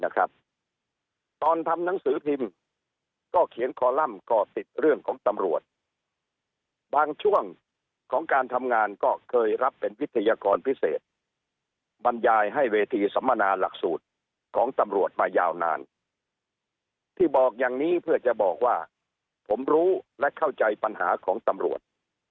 ตอนทำหนังสือพิมพ์ก็เขียนคอลัมป์ก่อติดเรื่องของตำรวจบางช่วงของการทำงานก็เคยรับเป็นวิทยากรพิเศษบรรยายให้เวทีสัมมนาหลักสูตรของตำรวจมายาวนานที่บอกอย่างนี้เพื่อจะบอกว่าผมรู้และเข้าใจปัญหาของตำรวจ